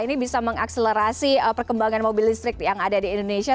ini bisa mengakselerasi perkembangan mobil listrik yang ada di indonesia